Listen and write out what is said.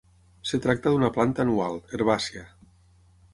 Es tracta d'una planta anual, herbàcia.